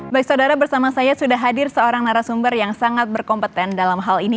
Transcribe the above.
baik saudara bersama saya sudah hadir seorang narasumber yang sangat berkompeten dalam hal ini